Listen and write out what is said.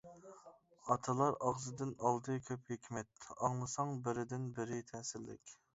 ئاتالار ئاغزىدىن ئالدى كۆپ ھېكمەت، ئاڭلىساڭ، بىرىدىن بىرى تەسىرلىك.